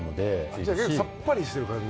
じゃあさっぱりしてる感じ？